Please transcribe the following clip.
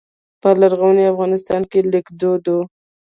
په لرغوني افغانستان کې لیک دود و